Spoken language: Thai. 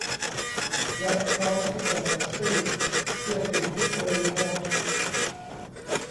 และพร้อมที่จะต่อสู้เพื่อสิ่งที่ตัวเองรัก